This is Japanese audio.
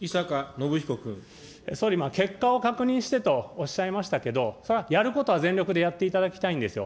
総理、結果を確認してとおっしゃいましたけど、それはやることは全力でやっていただきたいんですよ。